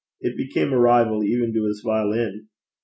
It became a rival even to his violin.